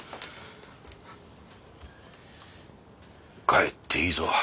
帰っていいぞ。